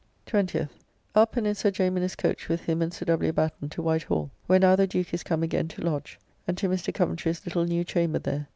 20th. Up and in Sir J. Minnes's coach with him and Sir W. Batten to White Hall, where now the Duke is come again to lodge: and to Mr. Coventry's little new chamber there.